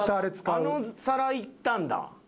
あの皿いったんだ。